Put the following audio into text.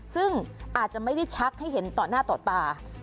ซึ่งอาจจะไม่ได้ชักให้เห็นต่อหน้าต่อตา